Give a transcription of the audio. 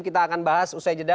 kita akan bahas usai jeda